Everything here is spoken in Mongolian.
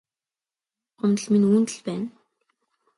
Хамаг гомдол минь үүнд л байна.